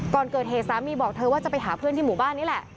ก่อนเกิดเหตุสามีบอกเธอว่าจะไปหาเพื่อนที่หมู่บ้านนี้แหละ